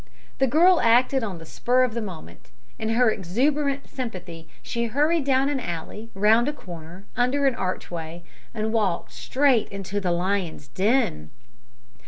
The girl acted on the spur of the moment. In her exuberant sympathy she hurried down an alley, round a corner, under an archway, and walked straight into the lion's den!